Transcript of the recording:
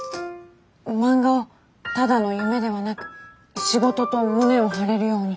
漫画をただの夢ではなく「仕事」と胸を張れるように。